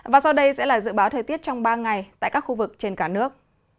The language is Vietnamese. và sau đây sẽ là dự báo thời tiết trong ba ngày tại các khu vực trên cả nước